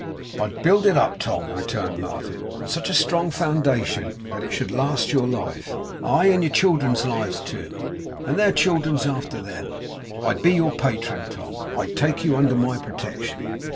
'I'd build it up, Tom,' returned Martin, 'on such a strong foundation, that it should last your life aye, and your children's lives too, and their children's after them. I'd be your patron, Tom. I'd take you under my protection.